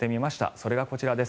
それがこちらです。